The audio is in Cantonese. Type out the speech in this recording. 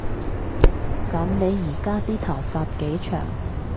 噉你而家啲頭髮幾長